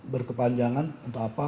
berkepanjangan untuk apa